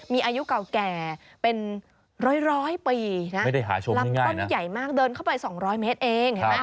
มีอายุเก่าแก่เป็นร้อยปีนะลำต้นใหญ่มากเดินเข้าไป๒๐๐เมตรเอง